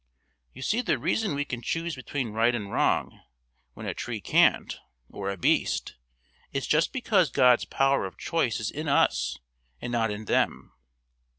You see the reason we can choose between right and wrong when a tree can't, or a beast, is just because God's power of choice is in us and not in them.